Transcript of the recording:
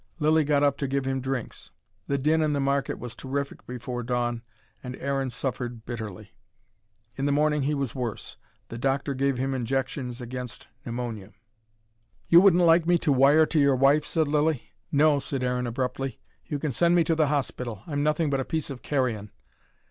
Lilly got up to give him drinks. The din in the market was terrific before dawn, and Aaron suffered bitterly. In the morning he was worse. The doctor gave him injections against pneumonia. "You wouldn't like me to wire to your wife?" said Lilly. "No," said Aaron abruptly. "You can send me to the hospital. I'm nothing but a piece of carrion."